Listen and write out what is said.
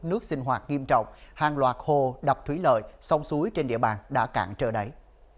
nước sinh hoạt nghiêm trọng hàng loạt hồ đập thủy lợi sông suối trên địa bàn đã cạn trở đáy